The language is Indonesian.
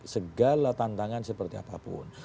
segala tantangan seperti apapun